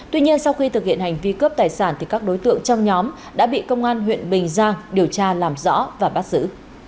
tuy nhiên sau khi thực hiện hành vi cướp tài sản các đối tượng trong nhóm đã bị công an huyện bình giang điều tra làm rõ và bắt giữ